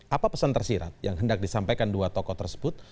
apa pesan tersirat yang hendak disampaikan dua tokoh tersebut